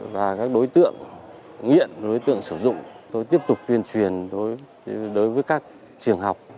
và các đối tượng nghiện đối tượng sử dụng tôi tiếp tục tuyên truyền đối với các trường học